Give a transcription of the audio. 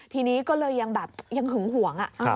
ทีนี้ก็เลยยังแบบยังหึงหวง